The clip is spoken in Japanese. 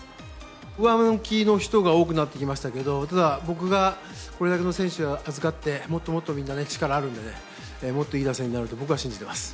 上向きの人が多くなってきましたけどただ、僕がこれだけの選手を預かってもっともっとみんな力あるのでもっといい打線になると僕は信じています。